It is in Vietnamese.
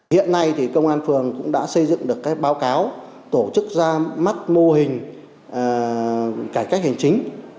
hiện nay thì công an phường cũng đã xây dựng được báo cáo tổ chức ra mắt mô hình cải cách hành chính